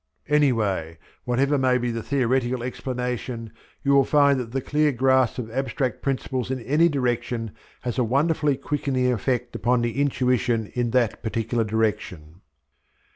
Anyway, whatever may be the theoretical explanation, you will find that the clear grasp of abstract principles in any direction has a wonderfully quickening effect upon the intuition in that particular direction.